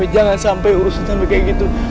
jangan sampai urusan sampai kayak gitu